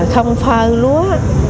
không pha lúa